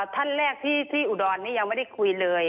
ท่านแรกที่อุดรนี้ยังไม่ได้คุยเลย